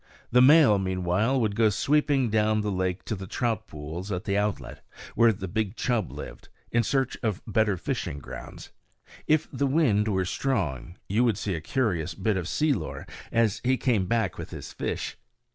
The male, meanwhile, would go sweeping down the lake to the trout pools at the outlet, where the big chub lived, in search of better fishing grounds. If the wind were strong, you would see a curious bit of sea lore as he came back with his fish.